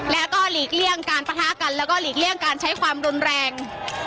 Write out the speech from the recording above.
แล้วก็หลีกเลี่ยงการปะทะกันแล้วก็หลีกเลี่ยงการใช้ความรุนแรง